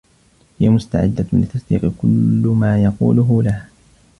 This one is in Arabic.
هي مستعدّة لتصديق كلّ ما يقوله لها.